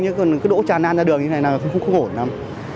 nhưng đỗ tràn lan ra đường như thế này là không ổn lắm